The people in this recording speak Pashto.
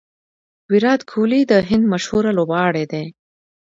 ویرات کهولي د هند مشهوره لوبغاړی دئ.